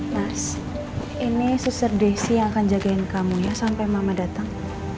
mas ini suser desi yang akan jagain kamu ya sampai mama datang